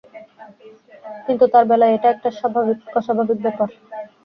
কিন্তু তাঁর বেলায় এটা একটা অস্বাভাবিক ব্যাপার।